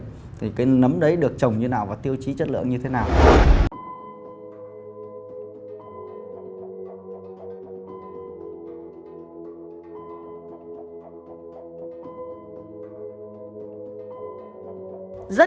nếu như nấm trồng ở trong việt nam thì họ còn có thêm một thứ nữa đó là cái công bố về chất lượng do sở nông nghiệp